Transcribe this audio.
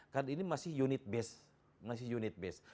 kan ini masih unit base